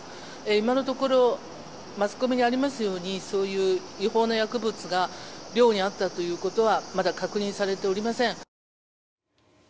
今のところマスコミにありますようにそういう違法な薬物が寮にあったことはまだ確認されておりません。